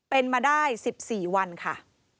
เป็นมาได้๑๔วันค่ะ